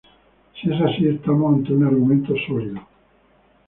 Si es así estamos ante un argumento sólido.